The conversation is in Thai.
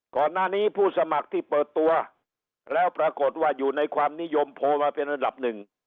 ก่อนหน้านี้ผู้สมัครที่เปิดตัวแล้วปรากฏว่าอยู่ในความนิยมโพลมาเป็นระดับหนึ่ง